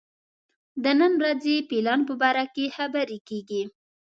د نن ورځې پلان باره کې خبرې کېږي.